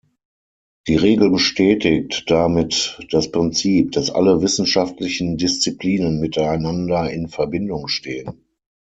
Die Regel bestätigt damit das Prinzip, dass alle wissenschaftlichen Disziplinen miteinander in Verbindung stehen.